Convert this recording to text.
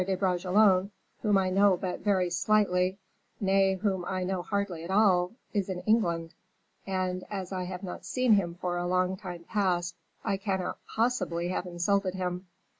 de Bragelonne, whom I know but very slightly, nay, whom I know hardly at all is in England, and, as I have not seen him for a long time past, I cannot possibly have insulted him."